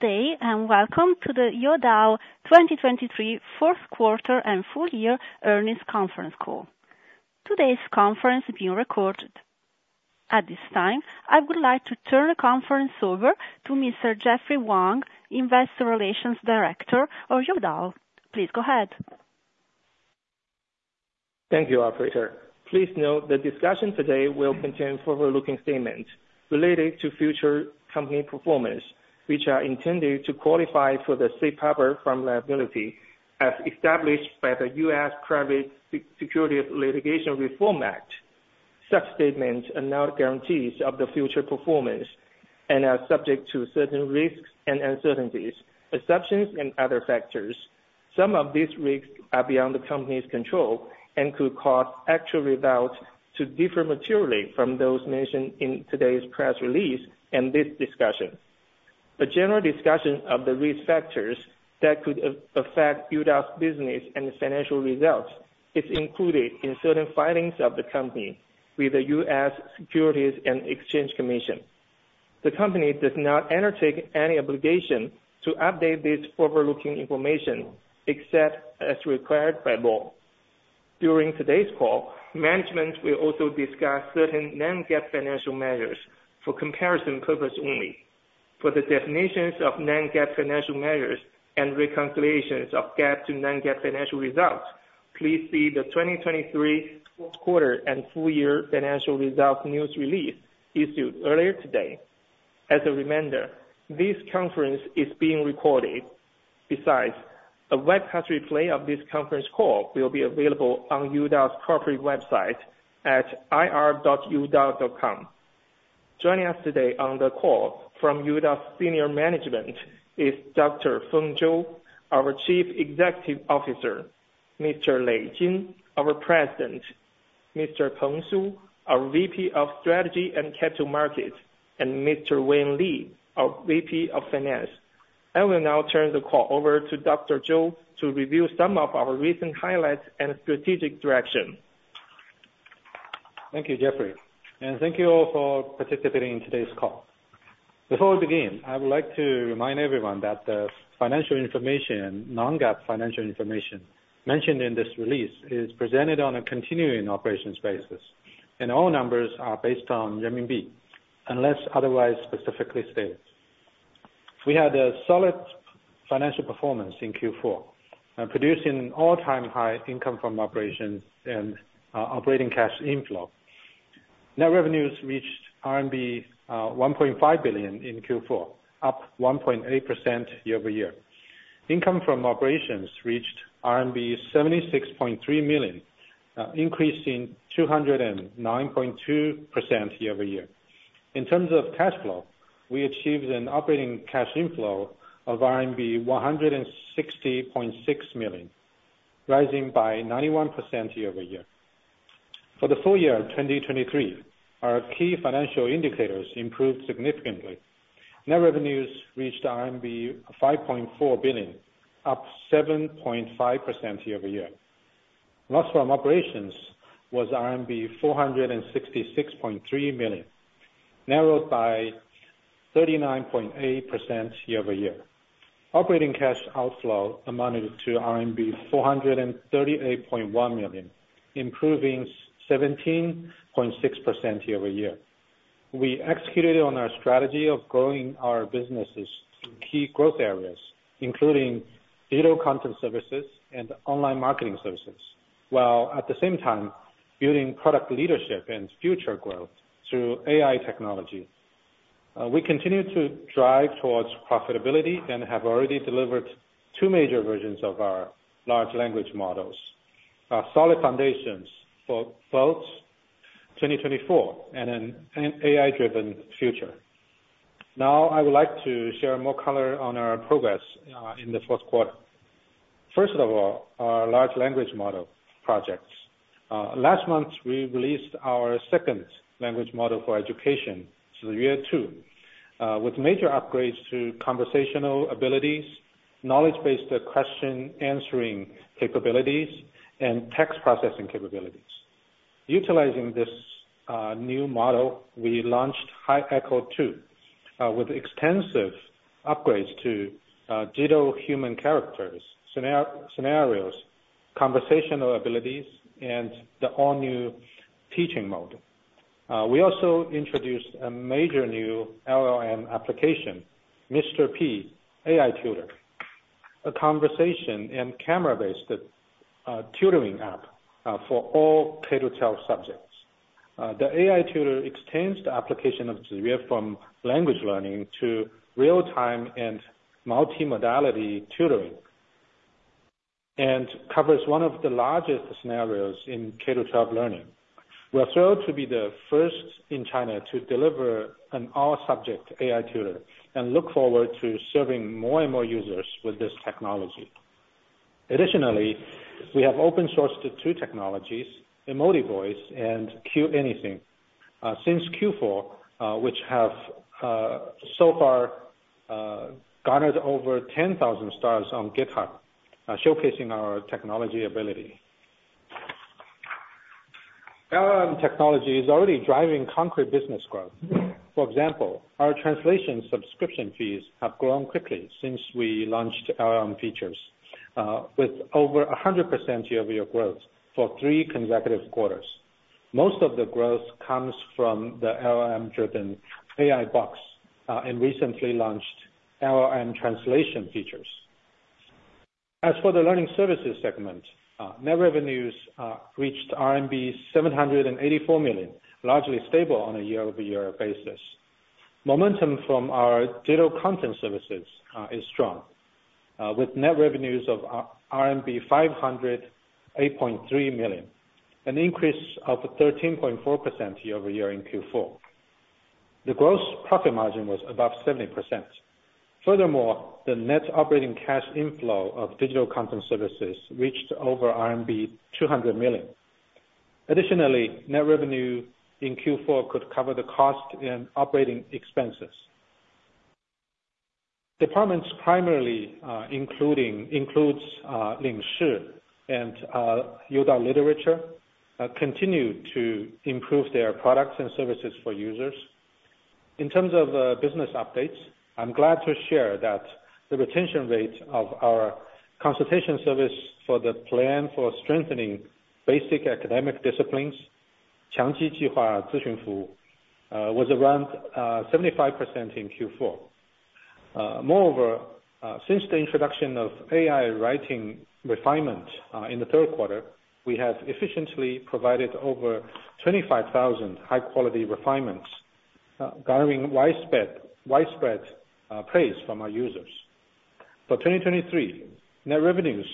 Good day and welcome to the Youdao 2023 fourth quarter and full year earnings conference call. Today's conference is being recorded. At this time, I would like to turn the conference over to Mr. Jeffrey Wang, Investor Relations Director of Youdao. Please go ahead. Thank you, Operator. Please note the discussion today will contain forward-looking statements related to future company performance, which are intended to qualify for the safe harbor from liability as established by the U.S. Private Securities Litigation Reform Act. Such statements are not guarantees of the future performance and are subject to certain risks and uncertainties, exceptions, and other factors. Some of these risks are beyond the company's control and could cause actual results to differ materially from those mentioned in today's press release and this discussion. A general discussion of the risk factors that could affect Youdao's business and financial results is included in certain filings of the company with the U.S. Securities and Exchange Commission. The company does not undertake any obligation to update this forward-looking information except as required by law. During today's call, management will also discuss certain non-GAAP financial measures for comparison purposes only. For the definitions of non-GAAP financial measures and reconciliations of GAAP to non-GAAP financial results, please see the 2023 fourth quarter and full year financial results news release issued earlier today. As a reminder, this conference is being recorded. Besides, a webcast replay of this conference call will be available on Youdao's corporate website at ir.youdao.com. Joining us today on the call from Youdao's senior management is Dr. Feng Zhou, our Chief Executive Officer, Mr. Lei Jin, our President, Mr. Peng Su, our VP of Strategy and Capital Markets, and Mr. Wei Li, our VP of Finance. I will now turn the call over to Dr. Zhou to review some of our recent highlights and strategic direction. Thank you, Jeffrey. Thank you all for participating in today's call. Before we begin, I would like to remind everyone that the financial information, non-GAAP financial information mentioned in this release, is presented on a continuing operations basis, and all numbers are based on renminbi, unless otherwise specifically stated. We had a solid financial performance in Q4, producing all-time high income from operations and operating cash inflow. Net revenues reached RMB 1.5 billion in Q4, up 1.8% year-over-year. Income from operations reached RMB 76.3 million, increasing 209.2% year-over-year. In terms of cash flow, we achieved an operating cash inflow of RMB 160.6 million, rising by 91% year-over-year. For the full year 2023, our key financial indicators improved significantly. Net revenues reached RMB 5.4 billion, up 7.5% year-over-year. Loss from operations was RMB 466.3 million, narrowed by 39.8% year-over-year. Operating cash outflow amounted to RMB 438.1 million, improving 17.6% year-over-year. We executed on our strategy of growing our businesses through key growth areas, including digital content services and online marketing services, while at the same time building product leadership and future growth through AI technology. We continue to drive towards profitability and have already delivered two major versions of our large language models, solid foundations for both 2024 and an AI-driven future. Now, I would like to share more color on our progress in the fourth quarter. First of all, our large language model projects. Last month, we released our second language model for education, Ziyue 2.0, with major upgrades to conversational abilities, knowledge-based question-answering capabilities, and text processing capabilities. Utilizing this new model, we launched Hi Echo 2 with extensive upgrades to digital human characters, scenarios, conversational abilities, and the all-new teaching mode. We also introduced a major new LLM application, Mr. P AI Tutor, a conversation and camera-based tutoring app for all K-12 subjects. The AI Tutor extends the application of Ziyue from language learning to real-time and multimodality tutoring and covers one of the largest scenarios in K-12 learning. We're thrilled to be the first in China to deliver an all-subject AI Tutor and look forward to serving more and more users with this technology. Additionally, we have open-sourced the two technologies, EmotiVoice and QAnything, since Q4, which have so far garnered over 10,000 stars on GitHub, showcasing our technology ability. LLM technology is already driving concrete business growth. For example, our translation subscription fees have grown quickly since we launched LLM features, with over 100% year-over-year growth for three consecutive quarters. Most of the growth comes from the LLM-driven AI box and recently launched LLM translation features. As for the learning services segment, net revenues reached RMB 784 million, largely stable on a year-over-year basis. Momentum from our digital content services is strong, with net revenues of RMB 508.3 million, an increase of 13.4% year over year in Q4. The gross profit margin was above 70%. Furthermore, the net operating cash inflow of digital content services reached over RMB 200 million. Additionally, net revenue in Q4 could cover the cost and operating expenses. Departments primarily including Youdao Lingshi and Youdao Literature continue to improve their products and services for users. In terms of business updates, I'm glad to share that the retention rate of our consultation service for the plan for strengthening basic academic disciplines, 强基计划咨询服务, was around 75% in Q4. Moreover, since the introduction of AI writing refinement in the third quarter, we have efficiently provided over 25,000 high-quality refinements, garnering widespread praise from our users. For 2023, net revenues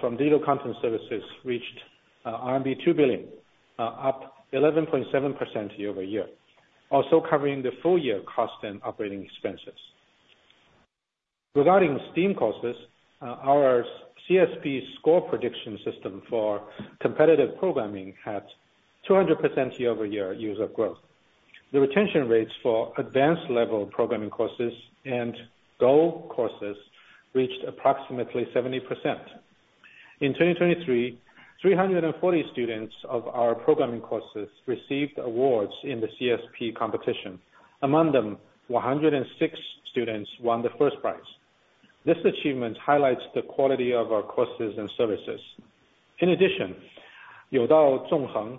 from digital content services reached RMB 2 billion, up 11.7% year-over-year, also covering the full year cost and operating expenses. Regarding STEAM courses, our CSP score prediction system for competitive programming had 200% year-over-year use of growth. The retention rates for advanced-level programming courses and Go courses reached approximately 70%. In 2023, 340 students of our programming courses received awards in the CSP competition, among them 106 students won the first prize. This achievement highlights the quality of our courses and services. In addition, Youdao Zongheng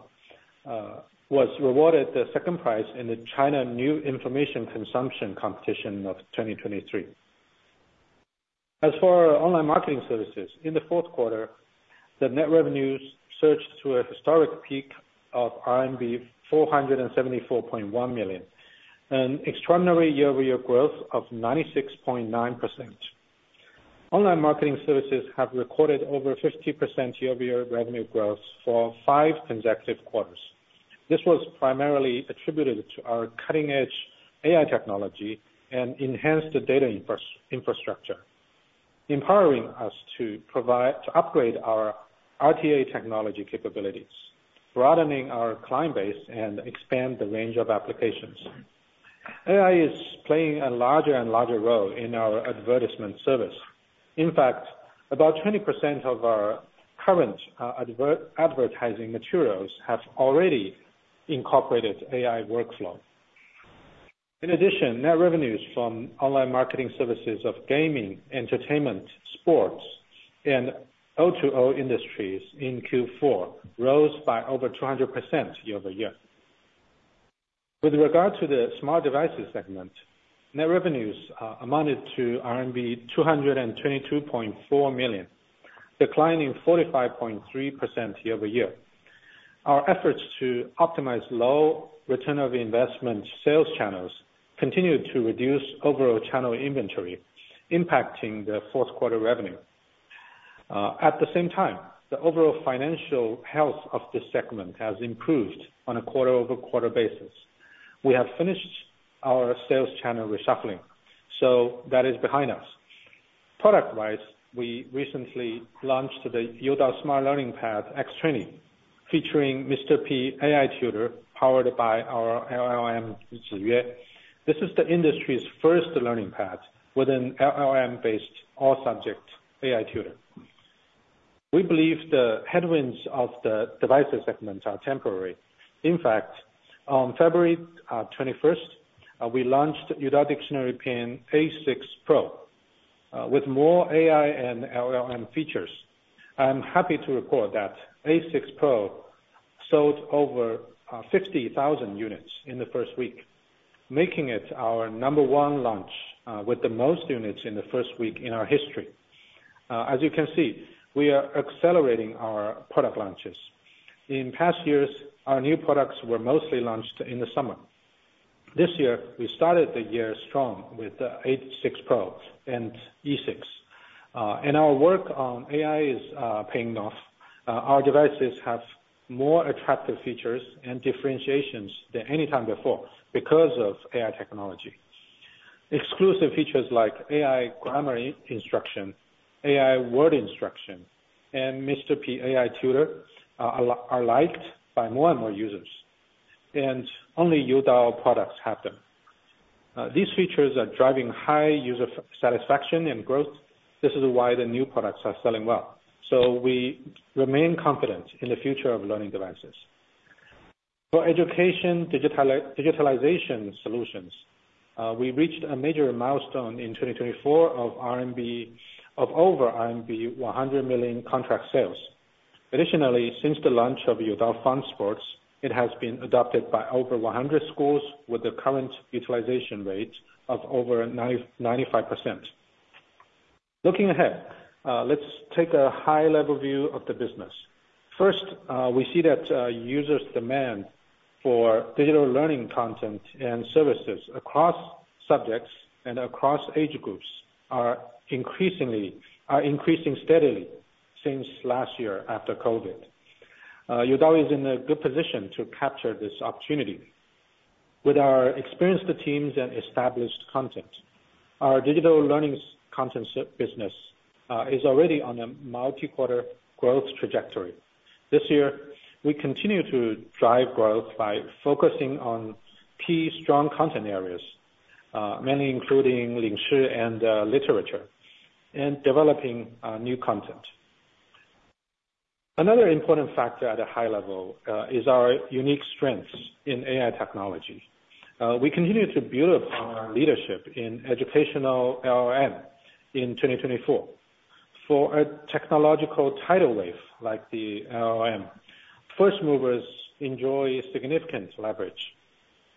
was rewarded the second prize in the China New Information Consumption Competition of 2023. As for online marketing services, in the fourth quarter, the net revenues surged to a historic peak of RMB 474.1 million, an extraordinary year-over-year growth of 96.9%. Online marketing services have recorded over 50% year-over-year revenue growth for five consecutive quarters. This was primarily attributed to our cutting-edge AI technology and enhanced data infrastructure, empowering us to upgrade our RTA technology capabilities, broadening our client base, and expand the range of applications. AI is playing a larger and larger role in our advertisement service. In fact, about 20% of our current advertising materials have already incorporated AI workflow. In addition, net revenues from online marketing services of gaming, entertainment, sports, and O2O industries in Q4 rose by over 200% year-over-year. With regard to the smart devices segment, net revenues amounted to RMB 222.4 million, declining 45.3% year-over-year. Our efforts to optimize low return on investment sales channels continue to reduce overall channel inventory, impacting the fourth quarter revenue. At the same time, the overall financial health of this segment has improved on a quarter-over-quarter basis. We have finished our sales channel reshuffling, so that is behind us. Product-wise, we recently launched the Youdao Smart Learning Pad X20, featuring Mr. P AI Tutor powered by our LLM, Ziyue. This is the industry's first learning pad with an LLM-based all-subject AI Tutor. We believe the headwinds of the devices segment are temporary. In fact, on February 21st, we launched Youdao Dictionary Pen A6 Pro with more AI and LLM features. I'm happy to report that A6 Pro sold over 50,000 units in the first week, making it our number one launch with the most units in the first week in our history. As you can see, we are accelerating our product launches. In past years, our new products were mostly launched in the summer. This year, we started the year strong with the A6 Pro and E6. Our work on AI is paying off. Our devices have more attractive features and differentiations than anytime before because of AI technology. Exclusive features like AI grammar instruction, AI word instruction, and Mr. P AI Tutor are liked by more and more users, and only Youdao products have them. These features are driving high user satisfaction and growth. This is why the new products are selling well. So we remain confident in the future of learning devices. For education digitalization solutions, we reached a major milestone in 2024 of over RMB 100 million contract sales. Additionally, since the launch of Youdao Fun Sports, it has been adopted by over 100 schools with a current utilization rate of over 95%. Looking ahead, let's take a high-level view of the business. First, we see that users' demand for digital learning content and services across subjects and across age groups are increasing steadily since last year after COVID. Youdao is in a good position to capture this opportunity. With our experienced teams and established content, our digital learning content business is already on a multi-quarter growth trajectory. This year, we continue to drive growth by focusing on key strong content areas, mainly including Lingshi and literature, and developing new content. Another important factor at a high level is our unique strengths in AI technology. We continue to build upon our leadership in educational LLM in 2024. For a technological tidal wave like the LLM, first-movers enjoy significant leverage,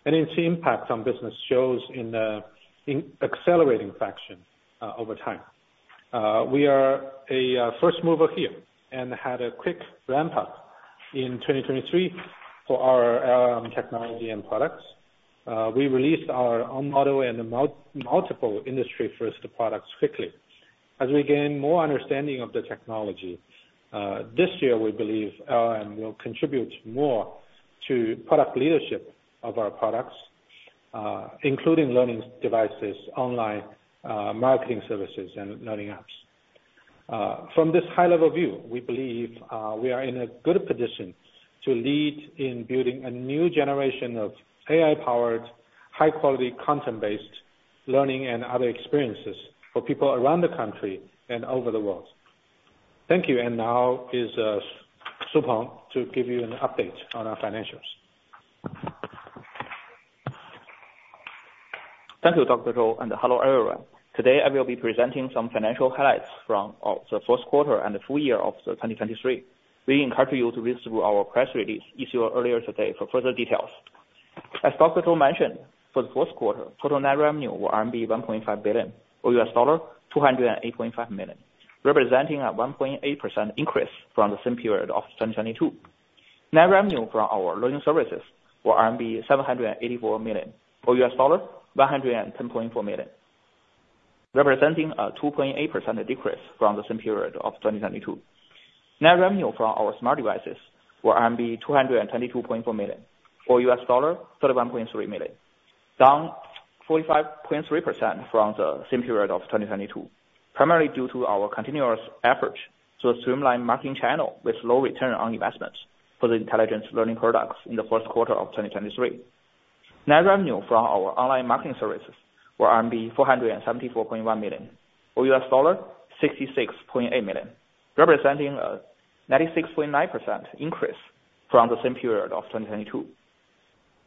and its impact on business shows in an accelerating fashion over time. We are a first-mover here and had a quick ramp-up in 2023 for our LLM technology and products. We released our on-model and multiple industry-first products quickly. As we gain more understanding of the technology, this year, we believe LLM will contribute more to product leadership of our products, including learning devices, online marketing services, and learning apps. From this high-level view, we believe we are in a good position to lead in building a new generation of AI-powered, high-quality content-based learning and other experiences for people around the country and over the world. Thank you. And now is Peng Su to give you an update on our financials. Thank you, Dr. Zhou, and hello, everyone. Today, I will be presenting some financial highlights from the fourth quarter and the full year of 2023. We encourage you to read through our press release issued earlier today for further details. As Dr. Zhou mentioned, for the fourth quarter, total net revenue was RMB 1.5 billion, or $208.5 million, representing a 1.8% increase from the same period of 2022. Net revenue from our learning services was RMB 784 million, or $110.4 million, representing a 2.8% decrease from the same period of 2022. Net revenue from our smart devices was RMB 222.4 million, or $31.3 million, down 45.3% from the same period of 2022, primarily due to our continuous efforts to streamline marketing channels with low return on investments for the intelligent learning products in the fourth quarter of 2023. Net revenue from our online marketing services was RMB 474.1 million, or $66.8 million, representing a 96.9% increase from the same period of 2022.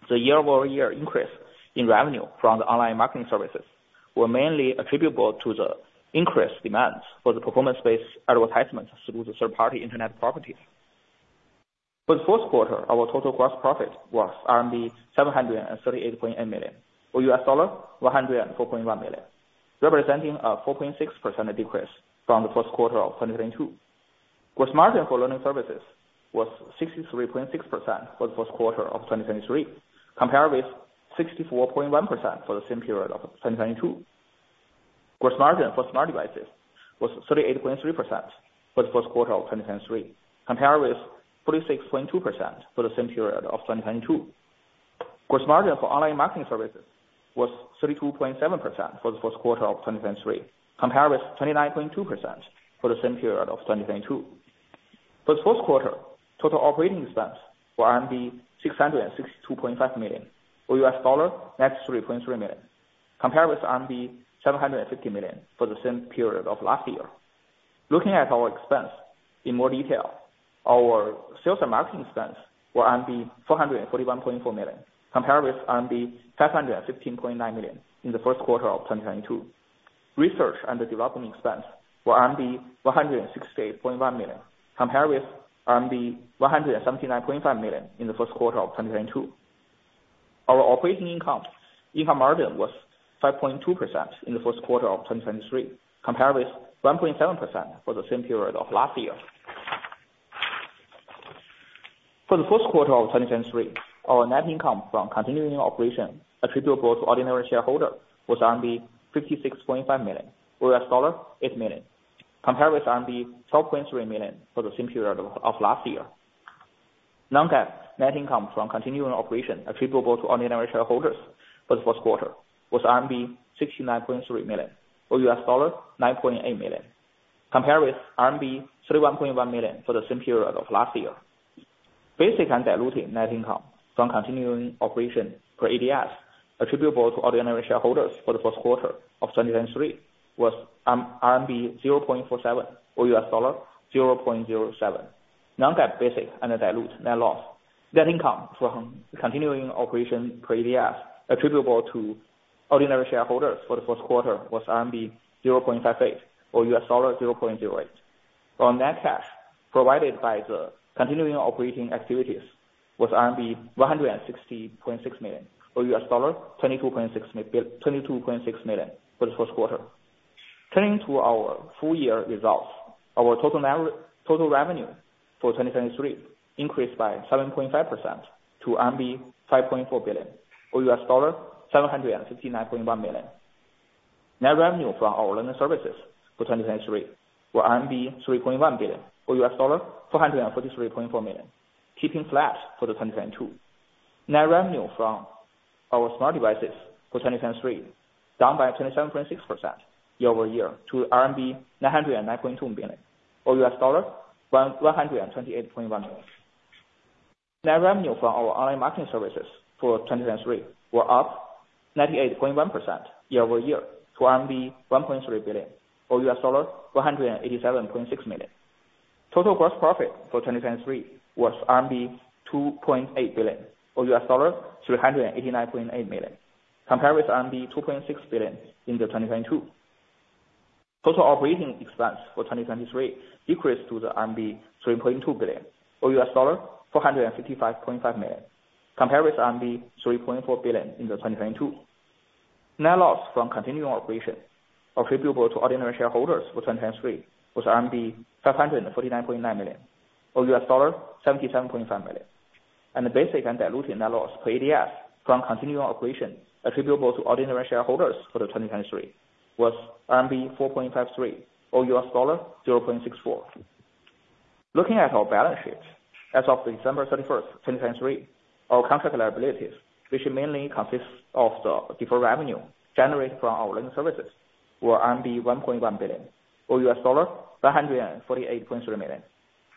The year-over-year increase in revenue from the online marketing services was mainly attributable to the increased demands for the performance-based advertisements through the third-party internet properties. For the fourth quarter, our total gross profit was 738.8 million, or $104.1 million, representing a 4.6% decrease from the fourth quarter of 2022. Gross margin for learning services was 63.6% for the fourth quarter of 2023, compared with 64.1% for the same period of 2022. Gross margin for smart devices was 38.3% for the fourth quarter of 2023, compared with 46.2% for the same period of 2022. Gross margin for online marketing services was 32.7% for the fourth quarter of 2023, compared with 29.2% for the same period of 2022. For the fourth quarter, total operating expense was RMB 662.5 million, or $93.3 million, compared with RMB 750 million for the same period of last year. Looking at our expense in more detail, our sales and marketing expense was RMB 441.4 million, compared with RMB 515.9 million in the first quarter of 2022. Research and development expense was RMB 168.1 million, compared with RMB 179.5 million in the first quarter of 2022. Our operating income margin was 5.2% in the first quarter of 2023, compared with 1.7% for the same period of last year. For the fourth quarter of 2023, our net income from continuing operation attributable to ordinary shareholders was RMB 56.5 million, or $8 million, compared with RMB 12.3 million for the same period of last year. Non-GAAP net income from continuing operations attributable to ordinary shareholders for the fourth quarter was RMB 69.3 million, or $9.8 million, compared with RMB 31.1 million for the same period of last year. Basic and diluted net income from continuing operations per ADS attributable to ordinary shareholders for the fourth quarter of 2023 was RMB 0.47, or $0.07. Non-GAAP basic and diluted net income from continuing operations per ADS attributable to ordinary shareholders for the fourth quarter was RMB 0.58, or $0.08. Our net cash provided by the continuing operating activities was RMB 160.6 million, or $22.6 million for the fourth quarter. Turning to our full-year results, our total revenue for 2023 increased by 7.5% to RMB 5.4 billion, or $759.1 million. Net revenue from our learning services for 2023 was RMB 3.1 billion, or $443.4 million, keeping flat for 2022. Net revenue from our smart devices for 2023 down by 27.6% year-over-year to CNY 909.2 million, or $128.1 million. Net revenue from our online marketing services for 2023 was up 98.1% year-over-year to RMB 1.3 billion, or $187.6 million. Total gross profit for 2023 was RMB 2.8 billion, or $389.8 million, compared with RMB 2.6 billion in 2022. Total operating expense for 2023 decreased to RMB 3.2 billion, or $455.5 million, compared with RMB 3.4 billion in 2022. Net loss from continuing operation attributable to ordinary shareholders for 2023 was RMB 549.9 million, or $77.5 million. The basic and diluted net loss per ADS from continuing operations attributable to ordinary shareholders for 2023 was RMB 4.53, or $0.64. Looking at our balance sheet as of December 31st, 2023, our contract liabilities, which mainly consist of the deferred revenue generated from our learning services, were 1.1 billion, or $148.3 million,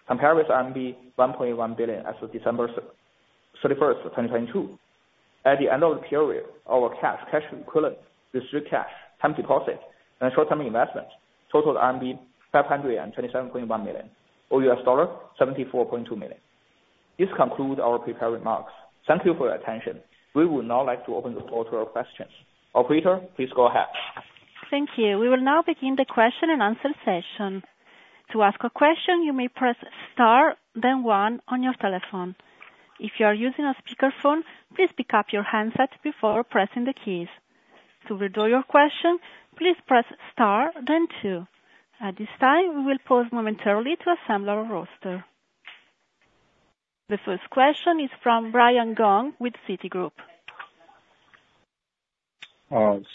compared with RMB 1.1 billion as of December 31st, 2022. At the end of the period, our cash and cash equivalents, short-term cash, time deposits, and short-term investments totaled RMB 527.1 million, or $74.2 million. This concludes our prepared remarks. Thank you for your attention. We would now like to open the floor to your questions. Operator, please go ahead. Thank you. We will now begin the question and answer session. To ask a question, you may press star, then one on your telephone. If you are using a speakerphone, please pick up your handset before pressing the keys. To withdraw your question, please press star, then two. At this time, we will pause momentarily to assemble our roster. The first question is from Brian Gong with Citigroup.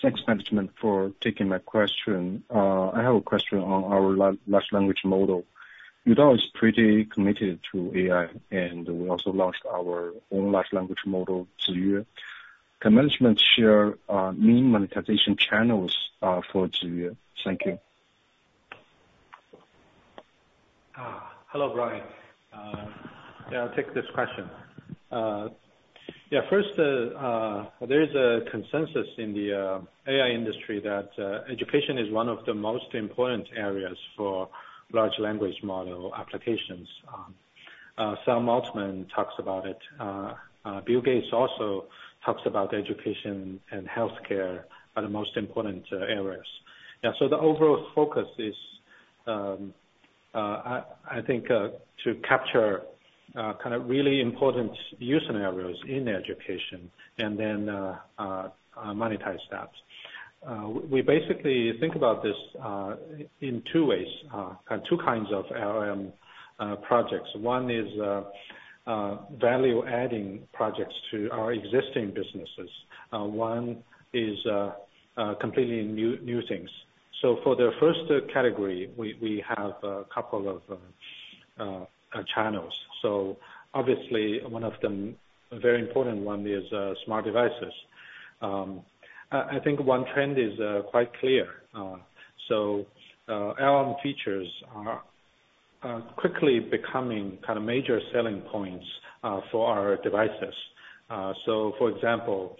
Thanks, management, for taking my question. I have a question on our large language model. Youdao is pretty committed to AI, and we also launched our own large language model, Ziyue. Can management share main monetization channels for Ziyue? Thank you. Hello, Brian. Yeah, I'll take this question. Yeah, first, there is a consensus in the AI industry that education is one of the most important areas for large language model applications. Sam Altman talks about it. Bill Gates also talks about education and healthcare are the most important areas. Yeah, so the overall focus is, I think, to capture kind of really important use scenarios in education and then monetize that. We basically think about this in two ways, kind of two kinds of LLM projects. One is value-adding projects to our existing businesses. One is completely new things. So for the first category, we have a couple of channels. So obviously, one of them, a very important one, is smart devices. I think one trend is quite clear. So LLM features are quickly becoming kind of major selling points for our devices. So for example,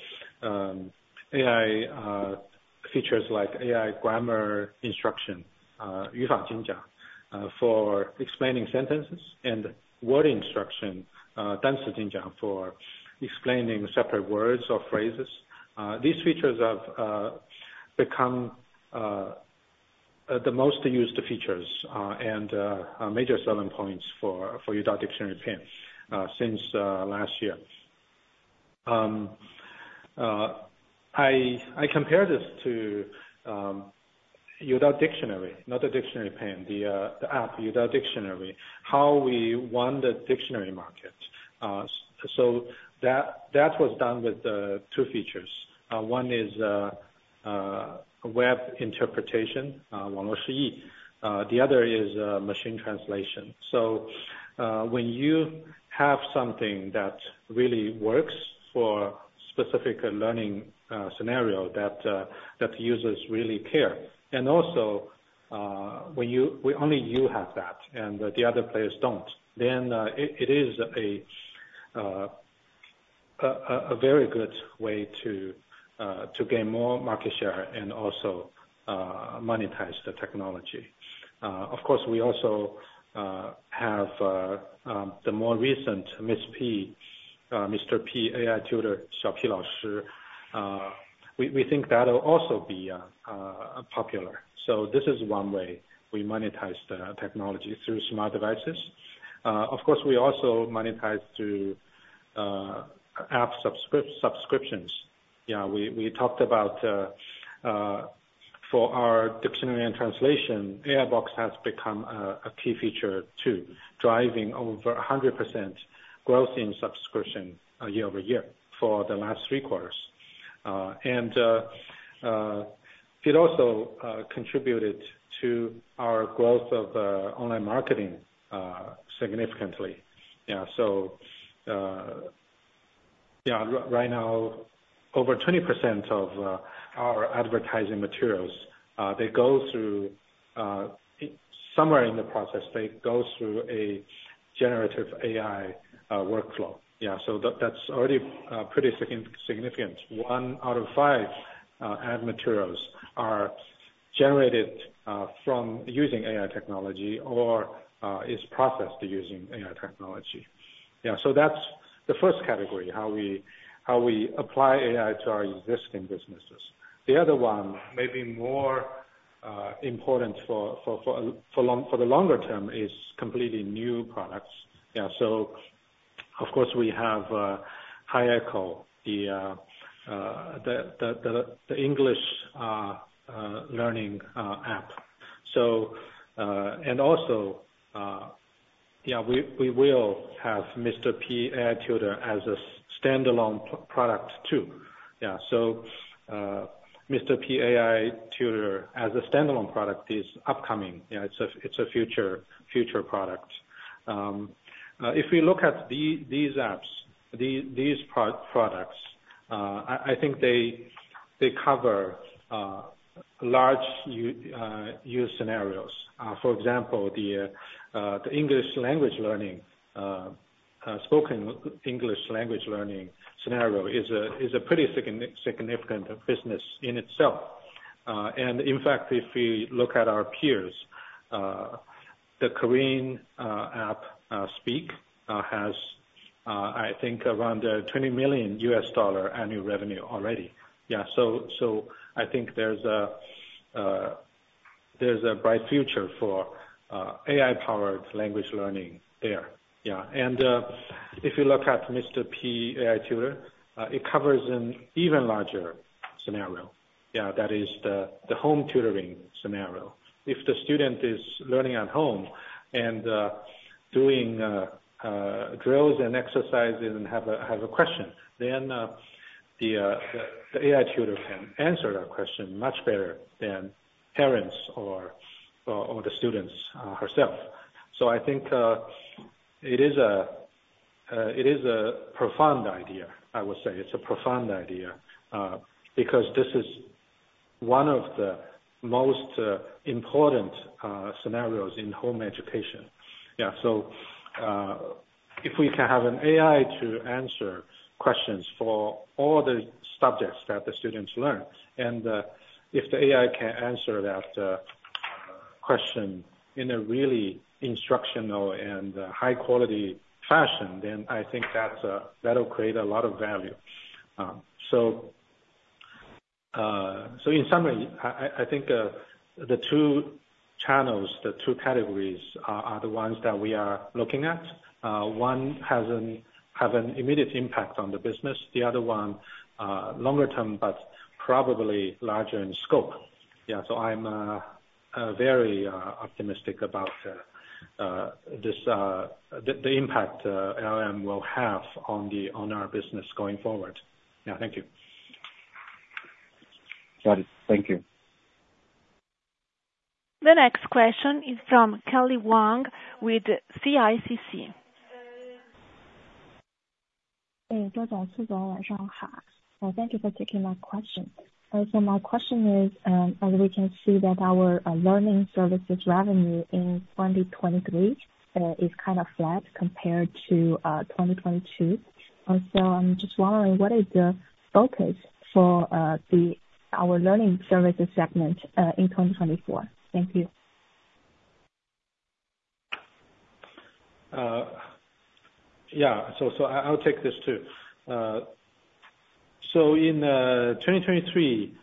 AI features like AI grammar instruction, 语法进展, for explaining sentences, and word instruction, 单词进展, for explaining separate words or phrases. These features have become the most used features and major selling points for Youdao Dictionary Pen since last year. I compare this to Youdao Dictionary, not the Dictionary Pen, the app, Youdao Dictionary, how we won the dictionary market. So that was done with two features. One is web interpretation, 网络释义. The other is machine translation. So when you have something that really works for a specific learning scenario that users really care, and also, when only you have that and the other players don't, then it is a very good way to gain more market share and also monetize the technology. Of course, we also have the more recent Miss P, Mr. P AI Tutor, Xiao P老师. We think that will also be popular. So this is one way we monetized the technology through smart devices. Of course, we also monetized through app subscriptions. Yeah, we talked about for our dictionary and translation, AI box has become a key feature too, driving over 100% growth in subscription year-over-year for the last three quarters. And it also contributed to our growth of online marketing significantly. Yeah, so yeah, right now, over 20% of our advertising materials, they go through somewhere in the process, they go through a generative AI workflow. Yeah, so that's already pretty significant. One out of five ad materials are generated from using AI technology or is processed using AI technology. Yeah, so that's the first category, how we apply AI to our existing businesses. The other one, maybe more important for the longer term, is completely new products. Yeah, so of course, we have Hi Echo, the English learning app. And also, yeah, we will have Mr. P AI Tutor as a standalone product too. Yeah, so Mr. P AI Tutor as a standalone product is upcoming. Yeah, it's a future product. If we look at these apps, these products, I think they cover large use scenarios. For example, the English language learning, spoken English language learning scenario is a pretty significant business in itself. And in fact, if we look at our peers, the Korean app, Speak, has, I think, around $20 million annual revenue already. Yeah, so I think there's a bright future for AI-powered language learning there. Yeah, and if you look at Mr. P AI Tutor, it covers an even larger scenario. Yeah, that is the home tutoring scenario. If the student is learning at home and doing drills and exercises and has a question, then the AI tutor can answer that question much better than parents or the students herself. I think it is a profound idea, I would say. It's a profound idea because this is one of the most important scenarios in home education. Yeah, if we can have an AI to answer questions for all the subjects that the students learn, and if the AI can answer that question in a really instructional and high-quality fashion, then I think that'll create a lot of value. In summary, I think the two channels, the two categories, are the ones that we are looking at. One has an immediate impact on the business. The other one, longer-term, but probably larger in scope. Yeah, so I'm very optimistic about the impact LLM will have on our business going forward. Yeah, thank you. Got it. Thank you. The next question is from Kelly Wang with CICC. Hey, Dr. Feng Zhou, 晚上好. Thank you for taking my question. So my question is, as we can see that our learning services revenue in 2023 is kind of flat compared to 2022. So I'm just wondering, what is the focus for our learning services segment in 2024? Thank you. Yeah, so I'll take this too. So in 2023,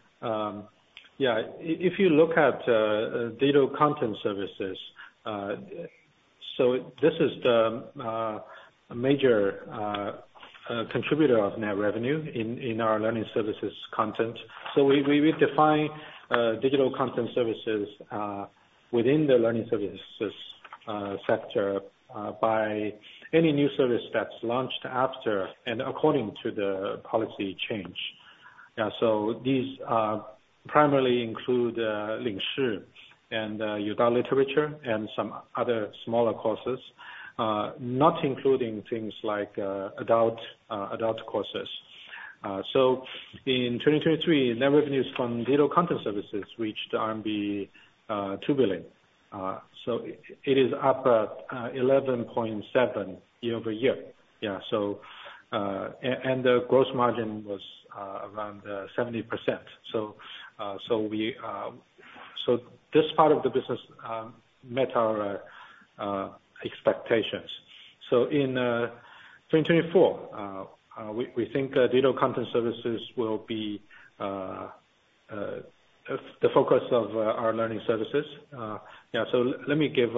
yeah, if you look at digital content services, so this is the major contributor of net revenue in our learning services content. So we define digital content services within the learning services sector by any new service that's launched after and according to the policy change. Yeah, so these primarily include Youdao Lingshi and Youdao Literature and some other smaller courses, not including things like adult courses. So in 2023, net revenues from digital content services reached RMB 2 billion. So it is up 11.7% year-over-year. Yeah, and the gross margin was around 70%. So this part of the business met our expectations. So in 2024, we think digital content services will be the focus of our learning services. Yeah, so let me give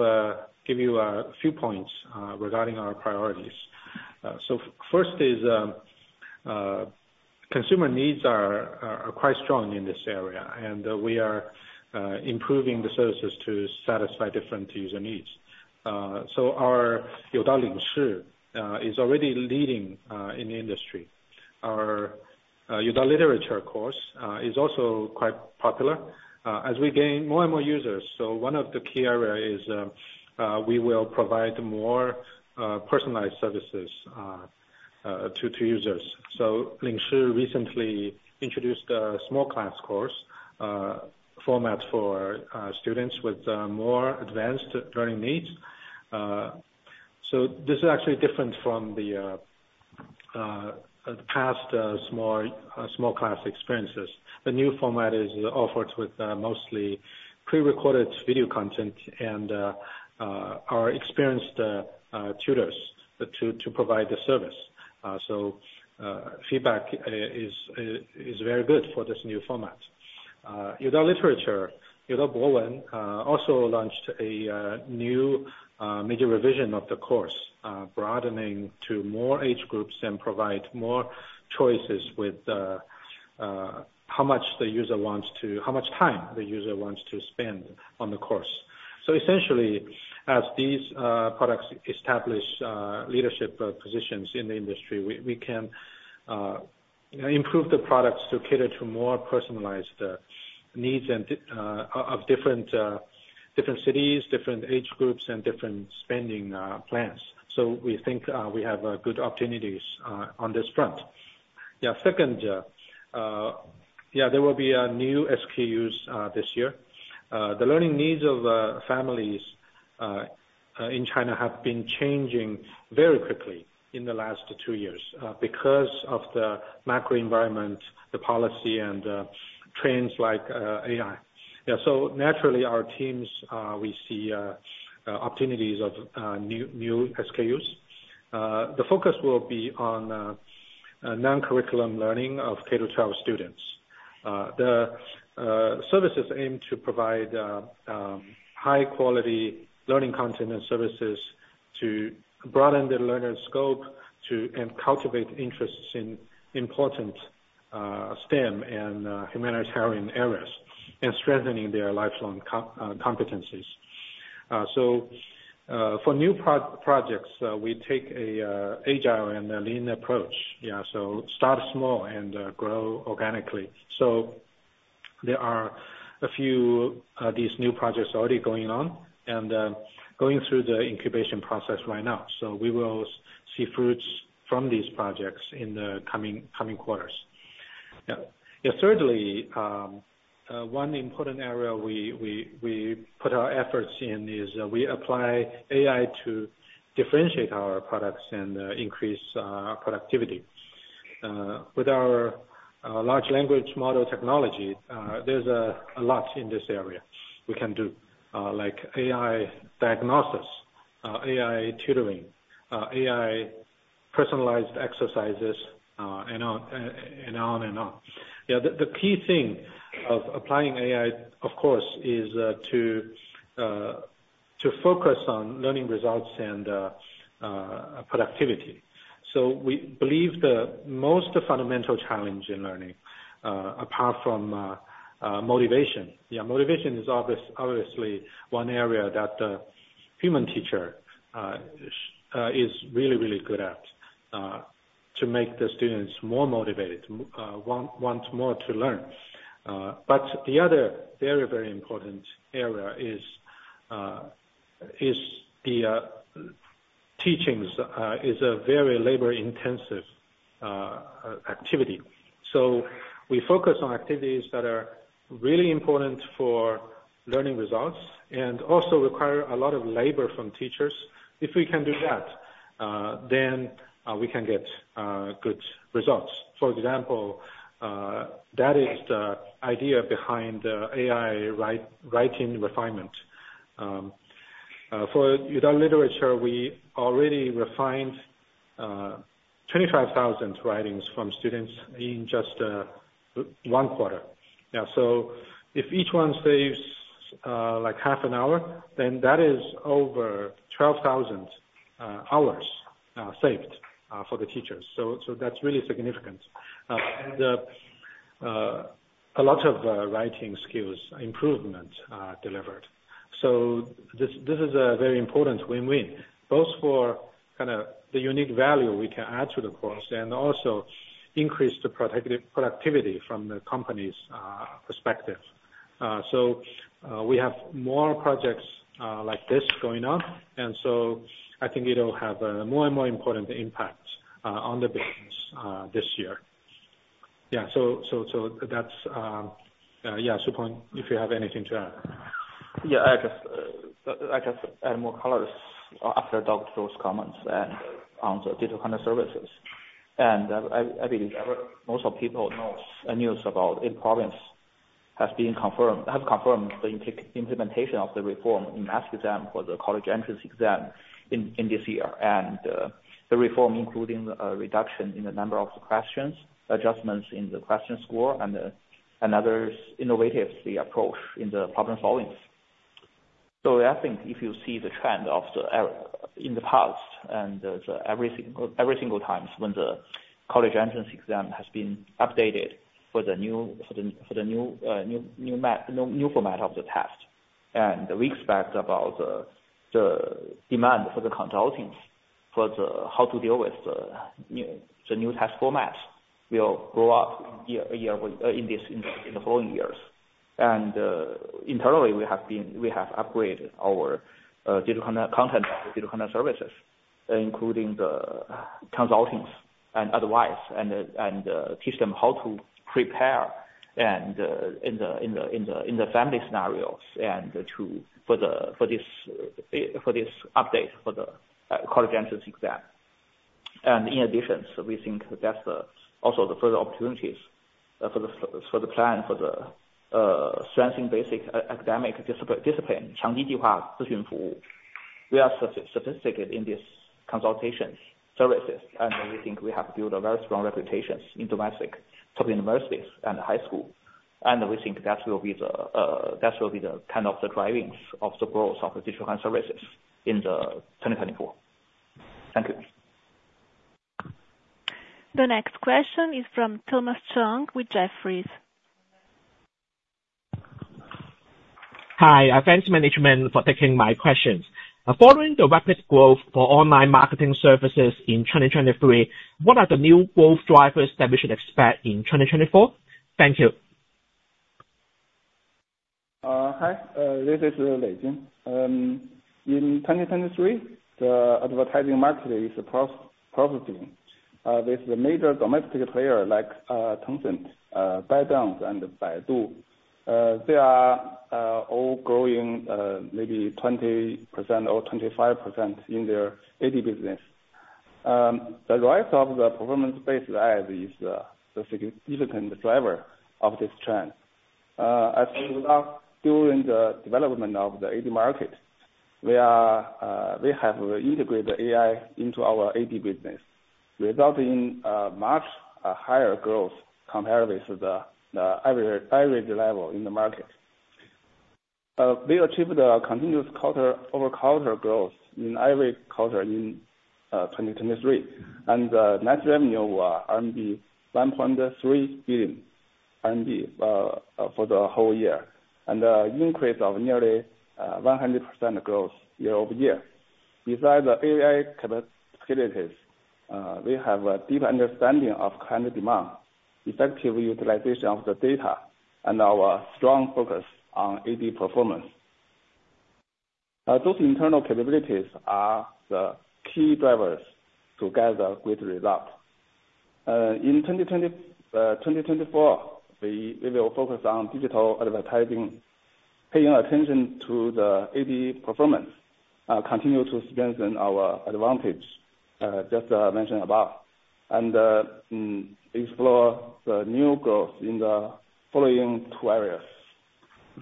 you a few points regarding our priorities. So first is consumer needs are quite strong in this area, and we are improving the services to satisfy different user needs. So our Youdao Lingshi is already leading in the industry. Our Youdao Literature course is also quite popular as we gain more and more users. So one of the key areas is we will provide more personalized services to users. So Lingshi recently introduced a small class course format for students with more advanced learning needs. So this is actually different from the past small class experiences. The new format is offered with mostly prerecorded video content and our experienced tutors to provide the service. So feedback is very good for this new format. Youdao Literature, Youdao Bowen also launched a new major revision of the course, broadening to more age groups and provide more choices with how much the user wants to how much time the user wants to spend on the course. So essentially, as these products establish leadership positions in the industry, we can improve the products to cater to more personalized needs of different cities, different age groups, and different spending plans. So we think we have good opportunities on this front. Yeah, second, yeah, there will be new SKUs this year. The learning needs of families in China have been changing very quickly in the last two years because of the macro environment, the policy, and trends like AI. Yeah, so naturally, our teams, we see opportunities of new SKUs. The focus will be on non-curriculum learning of K-12 students. The services aim to provide high-quality learning content and services to broaden the learner's scope and cultivate interests in important STEM and humanitarian areas, and strengthening their lifelong competencies. For new projects, we take an agile and a lean approach. Yeah, so start small and grow organically. There are a few of these new projects already going on and going through the incubation process right now. We will see fruits from these projects in the coming quarters. Yeah, thirdly, one important area we put our efforts in is we apply AI to differentiate our products and increase productivity. With our large language model technology, there's a lot in this area we can do, like AI diagnosis, AI tutoring, AI personalized exercises, and on and on. Yeah, the key thing of applying AI, of course, is to focus on learning results and productivity. So we believe the most fundamental challenge in learning, apart from motivation, yeah, motivation is obviously one area that the human teacher is really, really good at to make the students more motivated, want more to learn. But the other very, very important area is the teaching is a very labor-intensive activity. So we focus on activities that are really important for learning results and also require a lot of labor from teachers. If we can do that, then we can get good results. For example, that is the idea behind the AI writing refinement. For Youdao Literature, we already refined 25,000 writings from students in just one quarter. Yeah, so if each one saves half an hour, then that is over 12,000 hours saved for the teachers. So that's really significant. And a lot of writing skills improvement delivered. So this is a very important win-win, both for kind of the unique value we can add to the course and also increase the productivity from the company's perspective. So we have more projects like this going on, and so I think it'll have a more and more important impact on the business this year. Yeah, so that's, yeah, Peng Su, if you have anything to add. Yeah, I can add more colors after Dr. Xu's comments and on the digital content services. I believe most people know the news about the progress has been confirmed, has confirmed the implementation of the reform in math exam for the college entrance exam in this year, and the reform including a reduction in the number of questions, adjustments in the question score, and another innovative approach in the problem solving. So I think if you see the trend in the past and every single time when the college entrance exam has been updated for the new format of the test and the aspect about the demand for the consultants for how to deal with the new test formats, we'll grow up year in the following years. Internally, we have upgraded our digital content services, including the consultants and advice, and teach them how to prepare in the familiar scenarios for this update for the college entrance exam. In addition, we think that's also the further opportunities for the plan for the strengthening basic academic discipline, 强力计划咨询服务. We are sophisticated in these consultation services, and we think we have built a very strong reputation in domestic top universities and high schools. We think that will be the kind of drivers of the growth of the digital content services in 2024. Thank you. The next question is from Thomas Chong with Jefferies. Hi, thanks management for taking my questions. Following the rapid growth for online marketing services in 2023, what are the new growth drivers that we should expect in 2024? Thank you. Hi, this is Lei Jin. In 2023, the advertising market is prospering. With the major domestic players like Tencent, Alibaba, and Baidu, they are all growing maybe 20% or 25% in their AD business. The rise of the performance-based AI is a significant driver of this trend. As Youdao during the development of the AD market, we have integrated AI into our AD business, resulting in much higher growth compared with the average level in the market. We achieved continuous quarter-over-quarter growth in every quarter in 2023, and net revenue 1.3 billion RMB for the whole year, and an increase of nearly 100% growth year-over-year. Besides the AI capabilities, we have a deep understanding of client demand, effective utilization of the data, and our strong focus on AD performance. Those internal capabilities are the key drivers to get a great result. In 2024, we will focus on digital advertising, paying attention to the ad performance, continue to strengthen our advantage just mentioned above, and explore the new growth in the following two areas.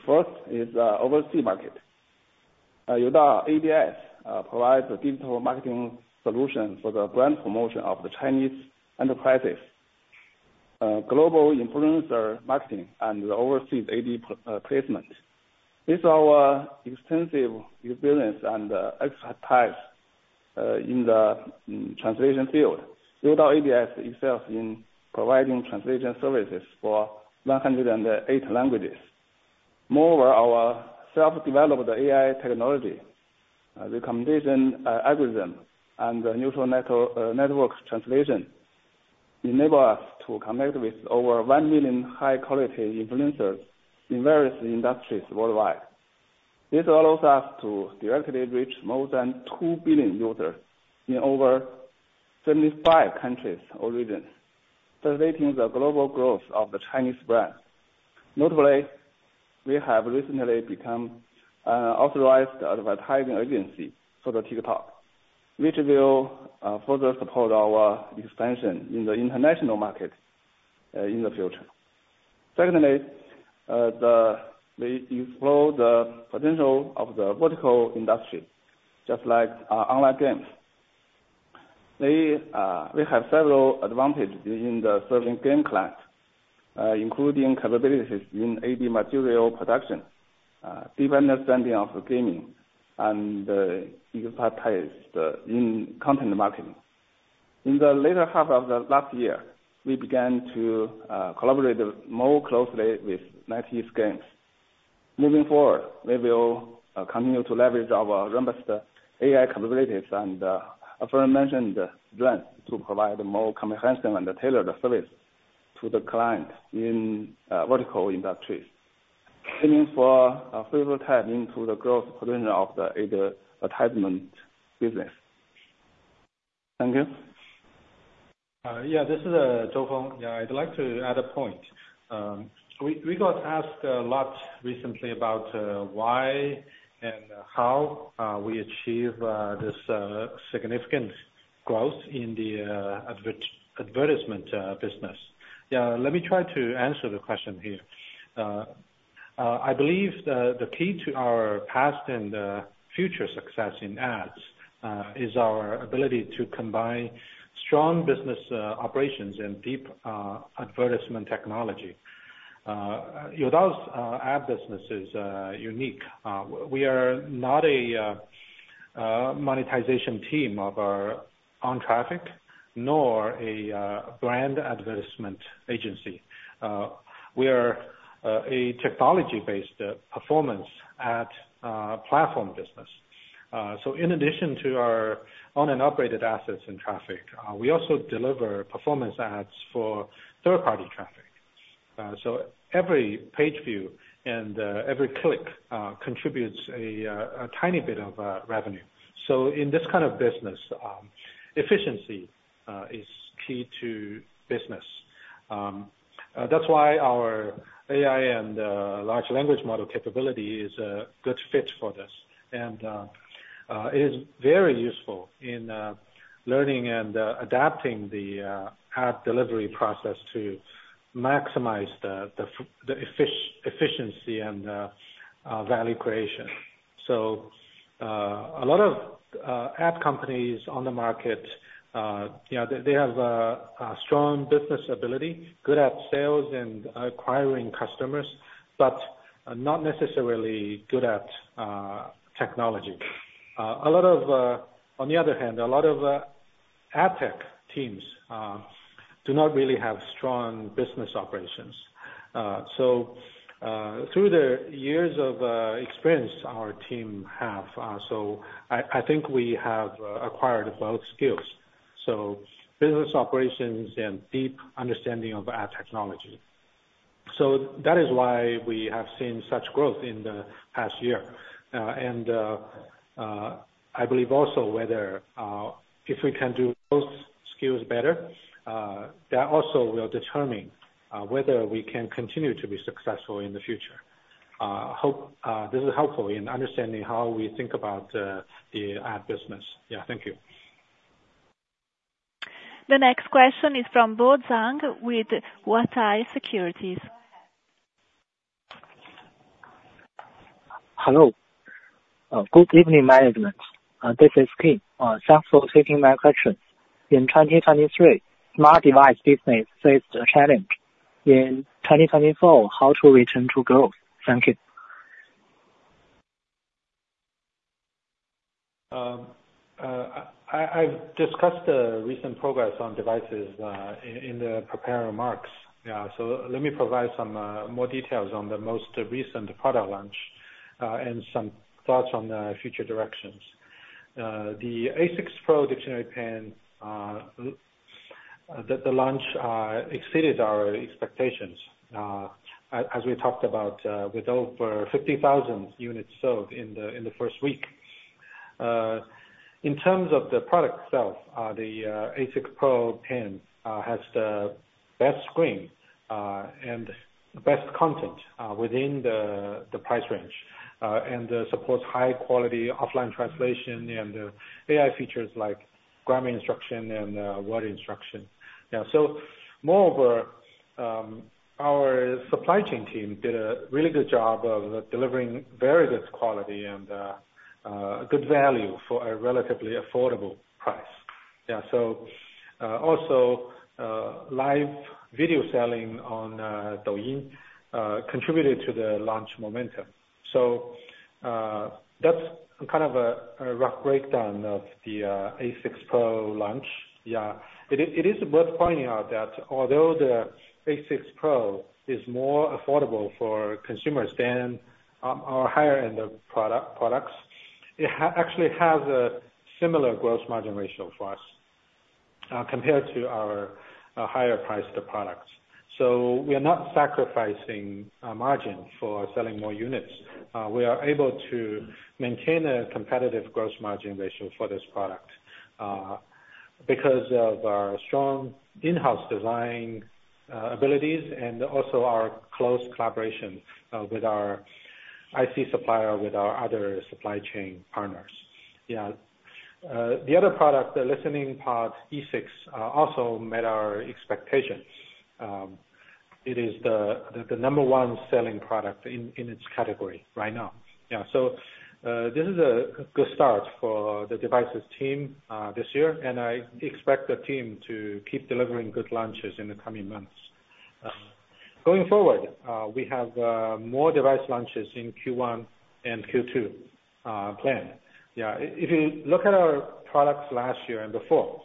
First is overseas market. Youdao Ads provides a digital marketing solution for the brand promotion of the Chinese enterprises, global influencer marketing, and overseas ad placement. With our extensive experience and expertise in the translation field, Youdao Ads excels in providing translation services for 108 languages. Moreover, our self-developed AI technology, recommendation algorithm, and neural network translation enable us to connect with over 1 million high-quality influencers in various industries worldwide. This allows us to directly reach more than 2 billion users in over 75 countries or regions, facilitating the global growth of the Chinese brand. Notably, we have recently become an authorized advertising agency for TikTok, which will further support our expansion in the international market in the future. Secondly, we explore the potential of the vertical industry, just like online games. We have several advantages in serving game clients, including capabilities in ad material production, deep understanding of gaming, and expertise in content marketing. In the later half of last year, we began to collaborate more closely with NetEase Games. Moving forward, we will continue to leverage our robust AI capabilities and aforementioned strengths to provide a more comprehensive and tailored service to the client in vertical industries, aiming for a free-flow time into the growth potential of the advertisement business. Thank you. Yeah, this is Feng Zhou. Yeah, I'd like to add a point. We got asked a lot recently about why and how we achieve this significant growth in the advertisement business. Yeah, let me try to answer the question here. I believe the key to our past and future success in ads is our ability to combine strong business operations and deep advertisement technology. Youdao's ad business is unique. We are not a monetization team of our own traffic nor a brand advertisement agency. We are a technology-based performance ad platform business. So in addition to our own and upgraded assets and traffic, we also deliver performance ads for third-party traffic. So every page view and every click contributes a tiny bit of revenue. So in this kind of business, efficiency is key to business. That's why our AI and large language model capability is a good fit for this. It is very useful in learning and adapting the ad delivery process to maximize the efficiency and value creation. A lot of ad companies on the market, yeah, they have a strong business ability, good at sales and acquiring customers, but not necessarily good at technology. On the other hand, a lot of ad tech teams do not really have strong business operations. Through the years of experience our team have, so I think we have acquired both skills, so business operations and deep understanding of ad technology. That is why we have seen such growth in the past year. I believe also whether if we can do both skills better, that also will determine whether we can continue to be successful in the future. This is helpful in understanding how we think about the ad business. Yeah, thank you. The next question is from Bo Zhang with Huatai Securities. Hello. Good evening, management. This is Kim. Thanks for taking my questions. In 2023, smart device business faced a challenge. In 2024, how to return to growth? Thank you. I've discussed the recent progress on devices in the preparing remarks. Yeah, so let me provide some more details on the most recent product launch and some thoughts on the future directions. The A6 Pro Dictionary Pen, the launch exceeded our expectations, as we talked about, with over 50,000 units sold in the first week. In terms of the product itself, the A6 Pro Pen has the best screen and best content within the price range and supports high-quality offline translation and AI features like grammar instruction and word instruction. Yeah, so moreover, our supply chain team did a really good job of delivering very good quality and good value for a relatively affordable price. Yeah, so also, live video selling on Douyin contributed to the launch momentum. So that's kind of a rough breakdown of the A6 Pro launch. Yeah, it is worth pointing out that although the A6 Pro is more affordable for consumers than our higher-end products, it actually has a similar gross margin ratio for us compared to our higher-priced products. So we are not sacrificing margin for selling more units. We are able to maintain a competitive gross margin ratio for this product because of our strong in-house design abilities and also our close collaboration with our IC supplier, with our other supply chain partners. Yeah, the other product, the listening pod E6, also met our expectation. It is the number one selling product in its category right now. Yeah, so this is a good start for the devices team this year, and I expect the team to keep delivering good launches in the coming months. Going forward, we have more device launches in Q1 and Q2 planned. Yeah, if you look at our products last year and before,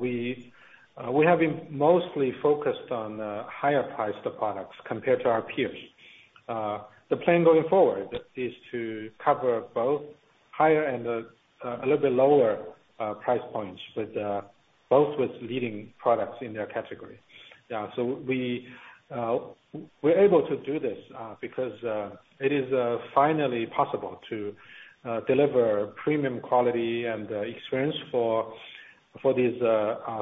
we have been mostly focused on higher-priced products compared to our peers. The plan going forward is to cover both higher and a little bit lower price points, both with leading products in their category. Yeah, so we're able to do this because it is finally possible to deliver premium quality and experience for these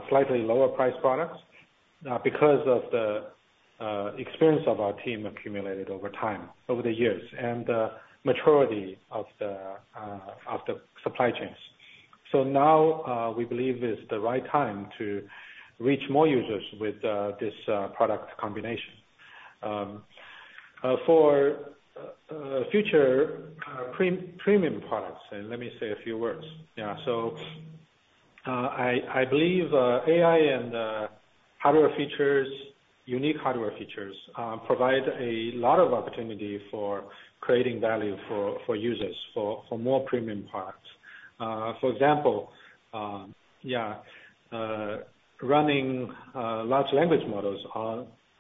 slightly lower-priced products because of the experience of our team accumulated over time, over the years, and the maturity of the supply chains. So now we believe it's the right time to reach more users with this product combination. For future premium products, let me say a few words. Yeah, so I believe AI and hardware features, unique hardware features, provide a lot of opportunity for creating value for users, for more premium products. For example, yeah, running large language models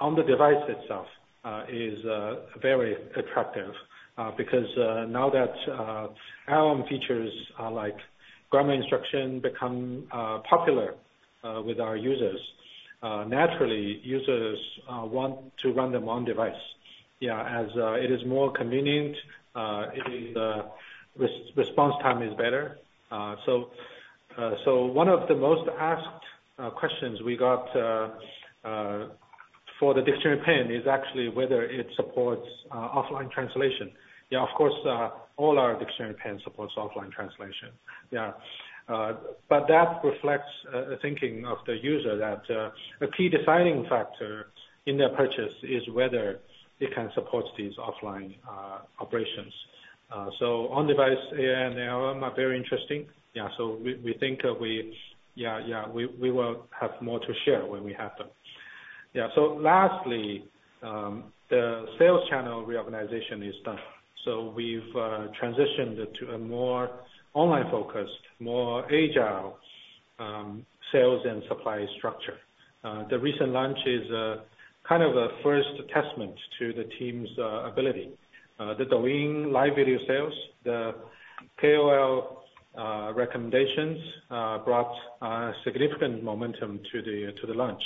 on the device itself is very attractive because now that LLM features like grammar instruction become popular with our users, naturally, users want to run them on device. Yeah, as it is more convenient, the response time is better. So one of the most asked questions we got for the Dictionary Pen is actually whether it supports offline translation. Yeah, of course, all our Dictionary Pens support offline translation. Yeah, but that reflects a thinking of the user that a key deciding factor in their purchase is whether it can support these offline operations. So on-device AI and LLM are very interesting. Yeah, so we think that we will have more to share when we have them. Yeah, so lastly, the sales channel reorganization is done. So we've transitioned to a more online-focused, more agile sales and supply structure. The recent launch is kind of a first testament to the team's ability. The Douyin live video sales, the KOL recommendations brought significant momentum to the launch.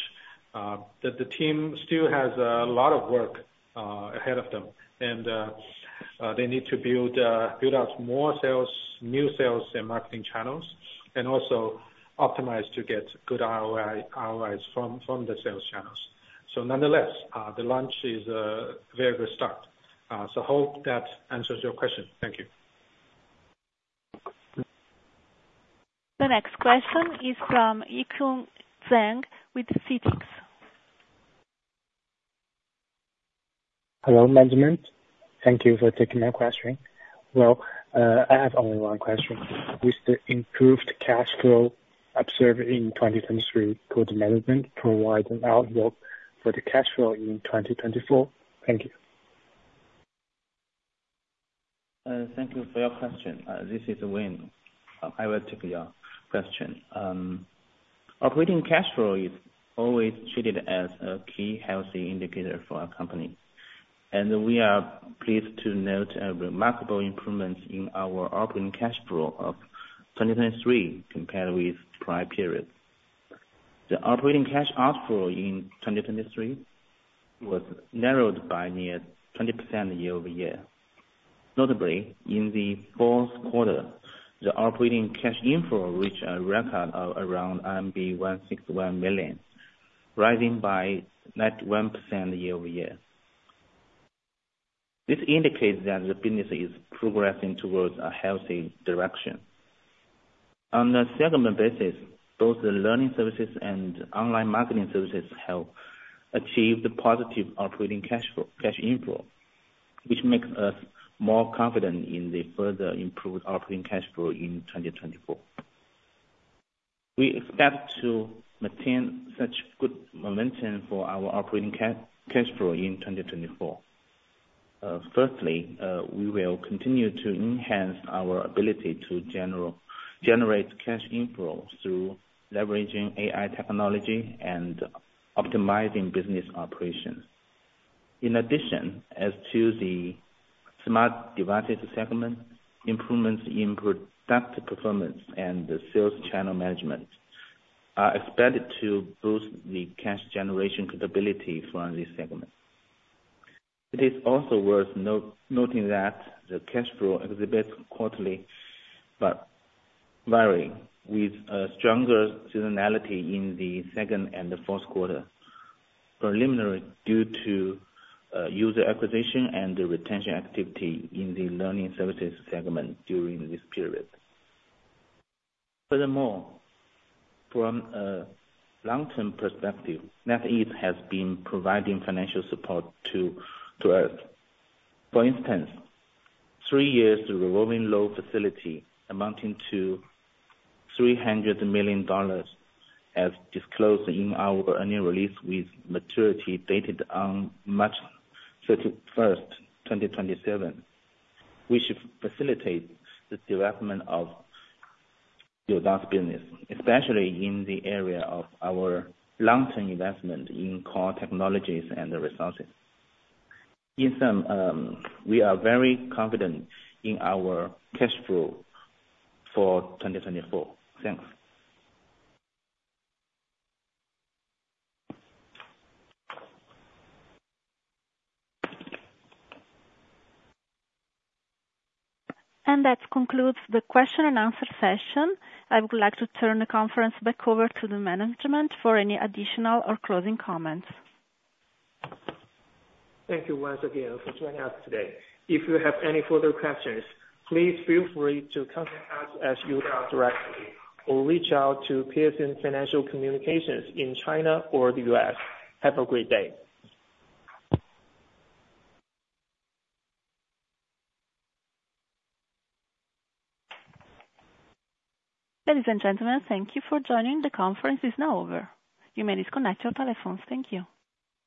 The team still has a lot of work ahead of them, and they need to build out more sales, new sales and marketing channels, and also optimize to get good ROIs from the sales channels. Nonetheless, the launch is a very good start. I hope that answers your question. Thank you. The next question is from Yikun Zhang with Citigroup. Hello, management. Thank you for taking my question. Well, I have only one question. Will the improved cash flow observed in 2023? Could management provide an outlook for the cash flow in 2024? Thank you. Thank you for your question. This is Wei. I will take your question. Operating cash flow is always treated as a key healthy indicator for a company, and we are pleased to note a remarkable improvement in our operating cash flow of 2023 compared with the prior period. The operating cash outflow in 2023 was narrowed by near 20% year-over-year. Notably, in the fourth quarter, the operating cash inflow reached a record of around 161 million, rising by net 1% year-over-year. This indicates that the business is progressing towards a healthy direction. On a segment basis, both the learning services and online marketing services have achieved positive operating cash inflow, which makes us more confident in the further improved operating cash flow in 2024. We expect to maintain such good momentum for our operating cash flow in 2024. Firstly, we will continue to enhance our ability to generate cash inflow through leveraging AI technology and optimizing business operations. In addition, as to the smart devices segment, improvements in product performance and sales channel management are expected to boost the cash generation capability for this segment. It is also worth noting that the cash flow exhibits quarterly but varying with a stronger seasonality in the second and the fourth quarter, primarily due to user acquisition and the retention activity in the learning services segment during this period. Furthermore, from a long-term perspective, NetEase has been providing financial support to us. For instance, three years' revolving loan facility amounting to $300 million was disclosed in our earnings release with maturity dated on March 31st, 2027, which facilitates the development of Youdao's business, especially in the area of our long-term investment in core technologies and resources. In sum, we are very confident in our cash flow for 2024. Thanks. That concludes the question and answer session. I would like to turn the conference back over to the management for any additional or closing comments. Thank you once again for joining us today. If you have any further questions, please feel free to contact us at Youdao directly or reach out to Piacente Financial Communications in China or the US. Have a great day. Ladies and gentlemen, thank you for joining. The conference is now over. You may disconnect your telephones. Thank you.